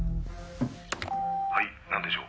「はい何でしょう？」